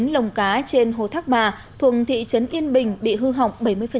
chín lồng cá trên hồ thác bà thuộc thị trấn yên bình bị hư hỏng bảy mươi